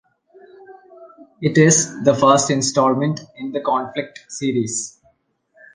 It is the first installment in the "Conflict" series.